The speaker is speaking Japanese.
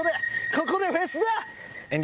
ここでフェスだ！